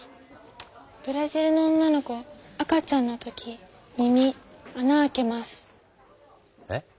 ブラジルの女の子赤ちゃんの時耳あな開けます。え？